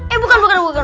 eh bukan bukan bukan